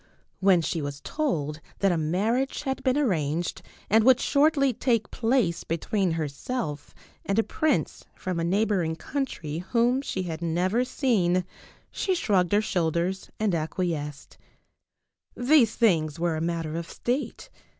When she was told that a marriage had been arranged and would shortly take place between herself and a prince from a neighboring country whom she had never seen she shrugged her shoulders and acquiesced. These things were a matter of state.